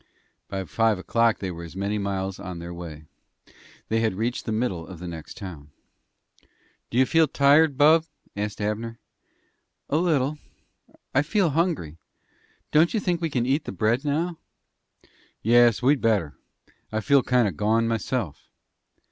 By five o'clock they were as many miles on their way. They had reached the middle of the next town. "Do you feel tired, bub?" asked Abner. "A little. I feel hungry. Don't you think we can eat the bread now?" "Yes, we'd better. I feel kind o' gone myself."